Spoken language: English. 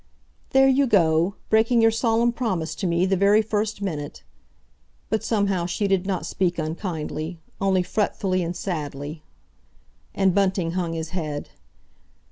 "There you go! Breaking your solemn promise to me the very first minute!" But somehow she did not speak unkindly, only fretfully and sadly. And Bunting hung his head.